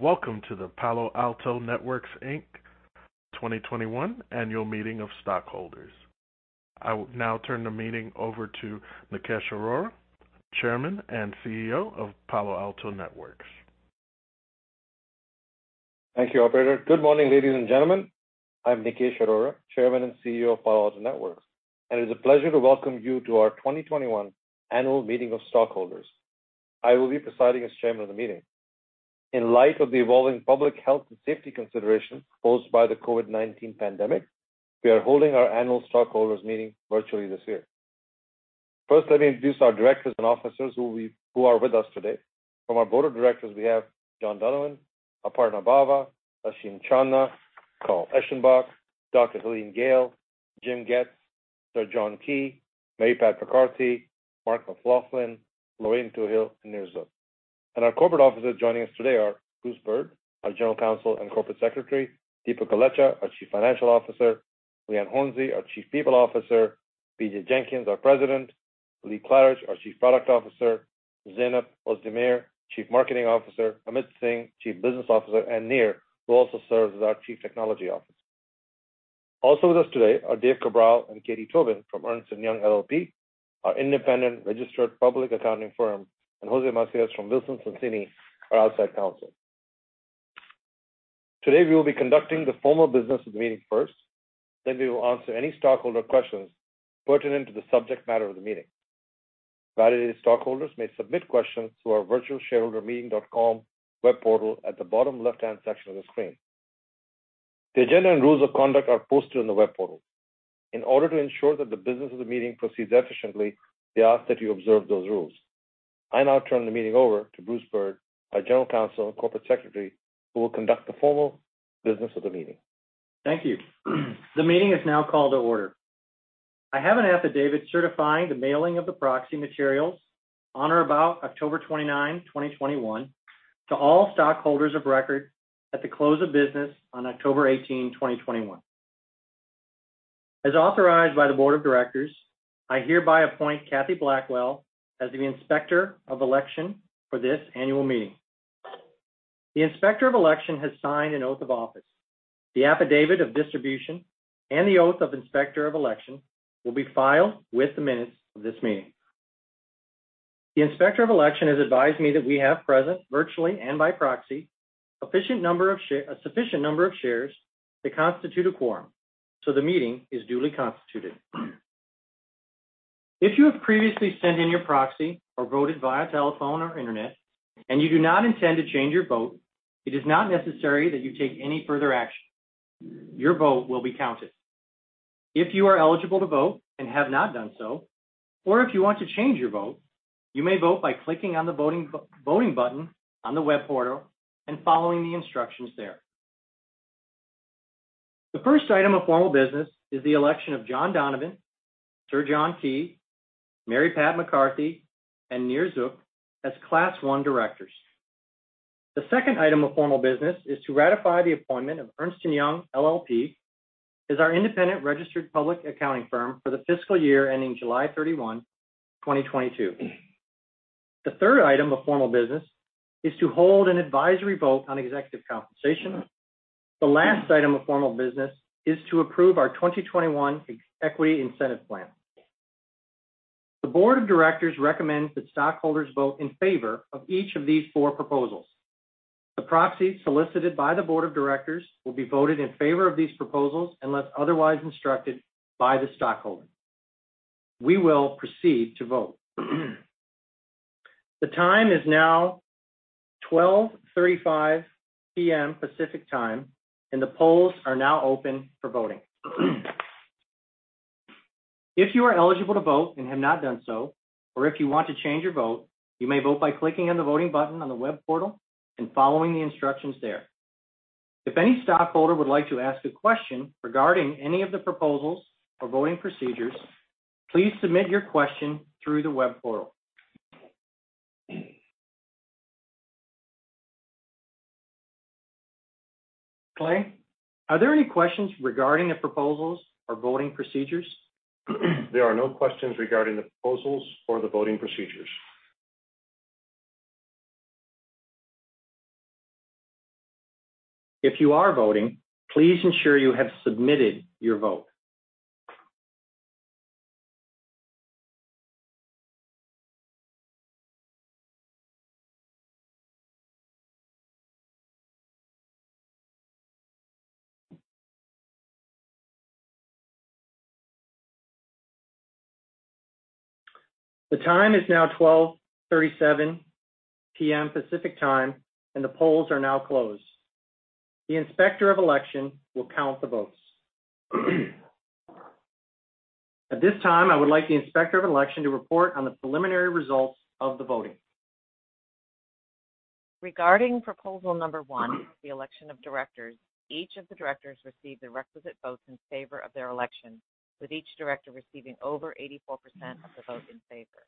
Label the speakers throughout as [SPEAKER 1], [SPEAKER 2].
[SPEAKER 1] Good morning, ladies and gentlemen. I'm Nikesh Arora, Chairman and CEO of Palo Alto Networks. It is a pleasure to welcome you to our 2021 annual meeting of stockholders. I will be presiding as chairman of the meeting. In light of the evolving public health and safety considerations posed by the COVID-19 pandemic, we are holding our annual stockholders meeting virtually this year. First, let me introduce our directors and officers who are with us today. From our board of directors, we have John Donovan, Aparna Bawa, Asheem Chandna, Carl Eschenbach, Dr. Helene Gayle, Jim Goetz, Sir John Key, Mary Pat McCarthy, Mark McLaughlin, Lorraine Twohill, and Nir Zuk. Our corporate officers joining us today are Bruce Byrd, our General Counsel and Corporate Secretary, Dipak Golechha, our Chief Financial Officer, Liane Hornsey, our Chief People Officer, BJ Jenkins, our President, Lee Klarich, our Chief Product Officer, Zeynep Ozdemir, Chief Marketing Officer, Amit Singh, Chief Business Officer, and Nir Zuk, who also serves as our Chief Technology Officer. Also with us today are Dave Cabral and Katie Tobin from Ernst & Young LLP, our independent registered public accounting firm, and Jose Macias from Wilson Sonsini, our outside counsel. Today we will be conducting the formal business of the meeting first, then we will answer any stockholder questions pertinent to the subject matter of the meeting. Validated stockholders may submit questions through our virtualshareholdermeeting.com web portal at the bottom left-hand section of the screen. The agenda and rules of conduct are posted on the web portal. In order to ensure that the business of the meeting proceeds efficiently, we ask that you observe those rules. I now turn the meeting over to Bruce Byrd, our General Counsel and Corporate Secretary, who will conduct the formal business of the meeting.
[SPEAKER 2] Thank you. The meeting is now called to order. I have an affidavit certifying the mailing of the proxy materials on or about October 29, 2021 to all stockholders of record at the close of business on October 18, 2021. As authorized by the board of directors, I hereby appoint Kathy Blackwell as the Inspector of Election for this annual meeting. The Inspector of Election has signed an oath of office. The affidavit of distribution and the oath of Inspector of Election will be filed with the minutes of this meeting. The Inspector of Election has advised me that we have present, virtually and by proxy, a sufficient number of shares to constitute a quorum. The meeting is duly constituted. If you have previously sent in your proxy or voted via telephone or internet and you do not intend to change your vote, it is not necessary that you take any further action. Your vote will be counted. If you are eligible to vote and have not done so, or if you want to change your vote, you may vote by clicking on the voting button on the web portal and following the instructions there. The first item of formal business is the election of John Donovan, Sir John Key, Mary Pat McCarthy, and Nir Zuk as Class One directors. The second item of formal business is to ratify the appointment of Ernst & Young LLP as our independent registered public accounting firm for the fiscal year ending July 31, 2022. The third item of formal business is to hold an advisory vote on executive compensation. The last item of formal business is to approve our 2021 Equity Incentive Plan. The board of directors recommend that stockholders vote in favor of each of these four proposals. The proxy solicited by the board of directors will be voted in favor of these proposals unless otherwise instructed by the stockholder. We will proceed to vote. The time is now 12:35 P.M. Pacific Time, and the polls are now open for voting. If you are eligible to vote and have not done so, or if you want to change your vote, you may vote by clicking on the voting button on the web portal and following the instructions there. If any stockholder would like to ask a question regarding any of the proposals or voting procedures, please submit your question through the web portal. Clay, are there any questions regarding the proposals or voting procedures? If you are voting, please ensure you have submitted your vote. The time is now 12:37 P.M. Pacific Time, and the polls are now closed. The Inspector of Election will count the votes. At this time, I would like the Inspector of Election to report on the preliminary results of the voting.
[SPEAKER 3] Regarding proposal number 1, the election of directors, each of the directors received the requisite votes in favor of their election, with each director receiving over 84% of the vote in favor.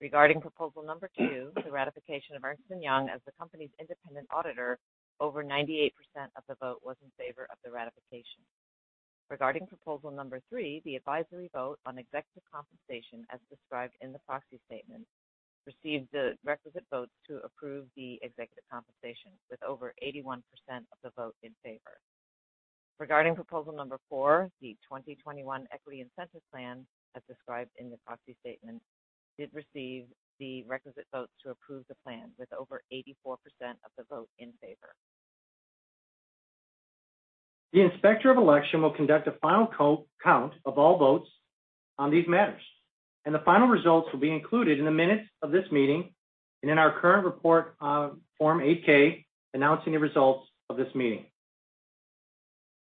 [SPEAKER 3] Regarding proposal number 2, the ratification of Ernst & Young as the company's independent auditor, over 98% of the vote was in favor of the ratification. Regarding proposal number 3, the advisory vote on executive compensation as described in the proxy statement, received the requisite votes to approve the executive compensation with over 81% of the vote in favor. Regarding proposal number 4, the 2021 Equity Incentive Plan, as described in the proxy statement, did receive the requisite votes to approve the plan with over 84% of the vote in favor.
[SPEAKER 2] The Inspector of Election will conduct a final co-count of all votes on these matters, and the final results will be included in the minutes of this meeting and in our current report of Form 8-K announcing the results of this meeting.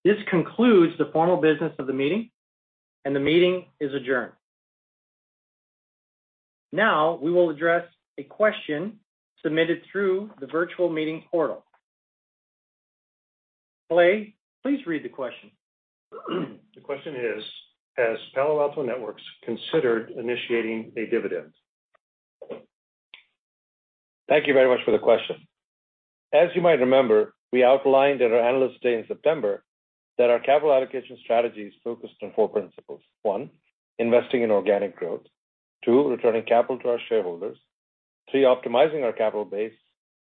[SPEAKER 2] This concludes the formal business of the meeting, and the meeting is adjourned. Now, we will address a question submitted through the virtual meeting portal. Clay, please read the question. The question is, has Palo Alto Networks considered initiating a dividend?
[SPEAKER 1] Thank you very much for the question. As you might remember, we outlined at our Analyst Day in September that our capital allocation strategy is focused on four principles. One, investing in organic growth, two, returning capital to our shareholders, three, optimizing our capital base,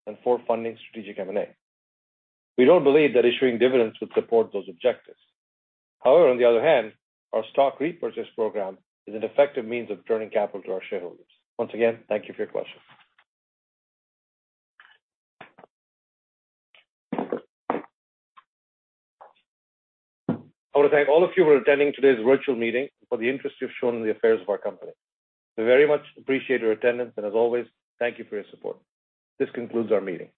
[SPEAKER 1] and four, funding strategic M&A. We don't believe that issuing dividends would support those objectives. However, on the other hand, our stock repurchase program is an effective means of returning capital to our shareholders. Once again, thank you for your question. I want to thank all of you for attending today's virtual meeting, for the interest you've shown in the affairs of our company. We very much appreciate your attendance, and as always, thank you for your support. This concludes our meeting.